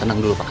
tenang dulu pak